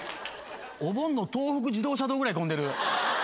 お盆の東北自動車道ぐらい混んでる。